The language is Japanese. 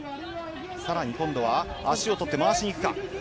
更に今度は足を取って回っていくか。